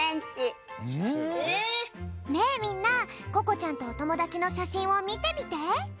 ねえみんなここちゃんとおともだちのしゃしんをみてみて。